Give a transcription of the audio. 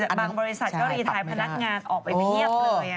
บางบริษัทก็รีไทยพนักงานออกไปเพียบเลย